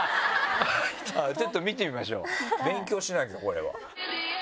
ちょっと見てみましょう勉強しなきゃこれは。